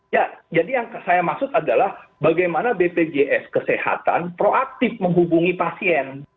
ya jadi yang saya maksud adalah bagaimana bpjs kesehatan proaktif menghubungi pasien